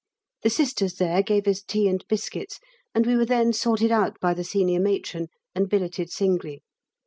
The Sisters there gave us tea and biscuits, and we were then sorted out by the Senior Matron, and billeted singly.